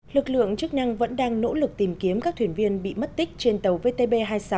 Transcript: lực lượng chức năng vẫn đang nỗ lực tìm kiếm các thuyền viên bị mất tích trên tàu vtb hai mươi sáu